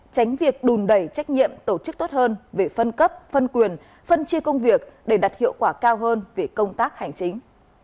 tránh việc đùn đẩy trách nhiệm tổ chức tốt hơn về phân cấp phân quyền phân chia công việc để đạt hiệu quả cao hơn về công tác hành chính